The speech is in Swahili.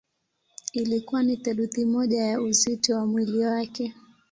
Ilikuwa ni theluthi moja ya uzito wa mwili wake.